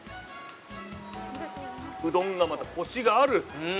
うどんがまたコシがある。